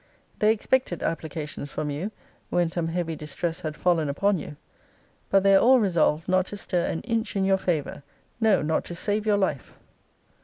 They expected applications from you, when some heavy distress had fallen upon you. But they are all resolved not to stir an inch in your favour; no, not to save your life!'